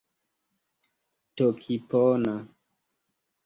tokipona